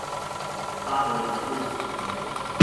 八德一路